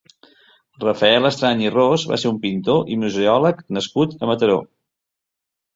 Rafael Estrany i Ros va ser un pintor i museòleg nascut a Mataró.